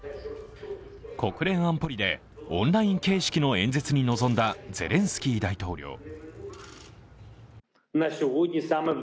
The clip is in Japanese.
国連安保理でオンライン形式の演説に臨んだゼレンスキー大統領。